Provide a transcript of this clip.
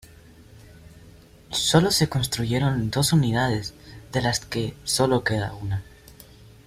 Solo se construyeron dos unidades, de las que solo queda una.